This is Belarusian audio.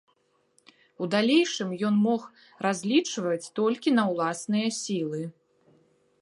У далейшым ён мог разлічваць толькі на ўласныя сілы.